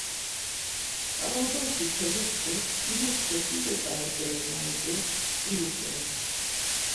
Ǩaobaşi perikti Pinokyo dido ǩai bere na ivu dziru doren.